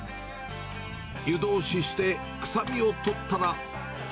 湯通しして臭みを取ったら。